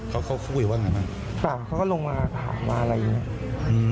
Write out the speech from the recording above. เขาคุยว่าอย่างไรบ้างเปล่าเขาก็ลงมาถามอะไรอย่างนี้